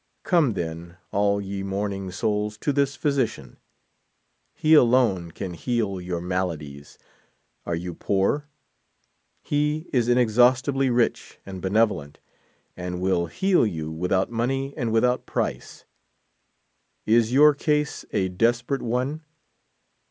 Come, then, all ye mouruing souls to this physician ; he alone can heal your maladies. Are 3'ou poor? He is inex haustibly rich and benevolent, and will heal vou without money and without price. Is your case a desi)erate one?